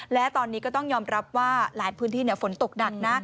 และตอนนี้ก็ต้องยอมรับว่าหลายพื้นที่ฝนตกหนักนะ